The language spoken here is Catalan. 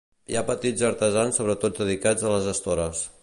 Hi ha petits artesans sobretot dedicats a les estores.